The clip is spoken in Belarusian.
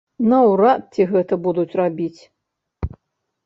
Наўрад ці гэта будуць рабіць.